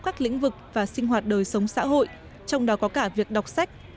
các lĩnh vực và sinh hoạt đời sống xã hội trong đó có cả việc đọc sách